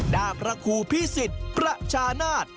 ด้าพระครูพิสิทธิ์ประชานาธิ์